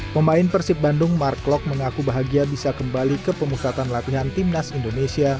pemain persib bandung mark klok mengaku bahagia bisa kembali ke pemusatan latihan timnas indonesia